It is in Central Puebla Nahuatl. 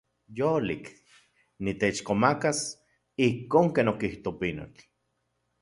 Yolik. Niteixkomakas ijkon ken okijto pinotl.